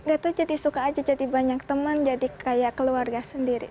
itu jadi suka aja jadi banyak teman jadi kayak keluarga sendiri